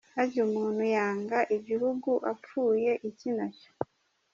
Harya umuntu yanga igihugu apfuye iki nacyo?